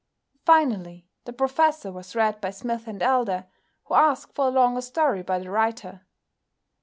Finally the "Professor" was read by Smith & Elder, who asked for a longer story by the writer.